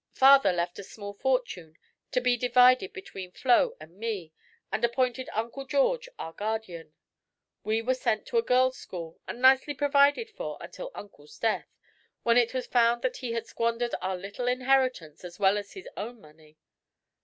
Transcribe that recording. Father left a small fortune to be divided between Flo and me, and appointed Uncle George our guardian. We were sent to a girls' school and nicely provided for until uncle's death, when it was found he had squandered our little inheritance as well as his own money."